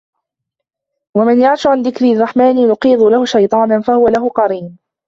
وَمَنْ يَعْشُ عَنْ ذِكْرِ الرَّحْمَنِ نُقَيِّضْ لَهُ شَيْطَانًا فَهُوَ لَهُ قَرِينٌ